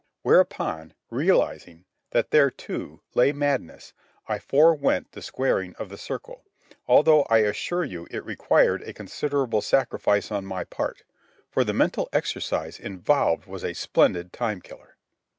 Whereupon, realizing that there, too, lay madness, I forwent the squaring of the circle, although I assure you it required a considerable sacrifice on my part, for the mental exercise involved was a splendid time killer.